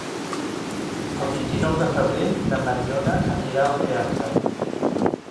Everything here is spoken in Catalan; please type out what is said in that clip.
El vint-i-nou de febrer na Mariona anirà al teatre.